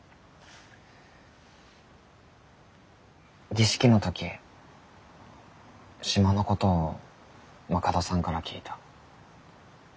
儀式の時島のことを馬門さんから聞いた。